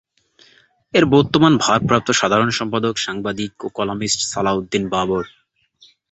এর বর্তমান ভারপ্রাপ্ত সম্পাদক সাংবাদিক ও কলামিস্ট সালাহ উদ্দিন বাবর।